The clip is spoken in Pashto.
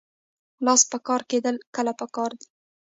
لاس په کار کیدل کله پکار دي؟